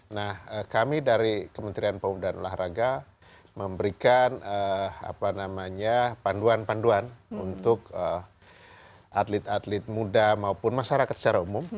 nah kami dari kementerian pemuda dan olahraga memberikan panduan panduan untuk atlet atlet muda maupun masyarakat secara umum